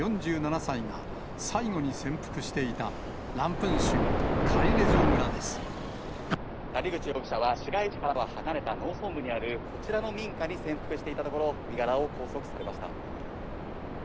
４７歳が最後に潜伏していた、谷口容疑者は、市街地から離れた農村部にある、こちらの民家に潜伏していたところ、身柄を拘束されました。